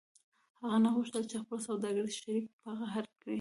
هغه نه غوښتل چې خپل سوداګریز شریک په قهر کړي